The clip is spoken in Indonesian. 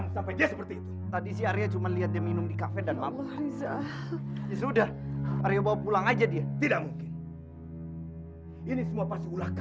sampai jumpa di video selanjutnya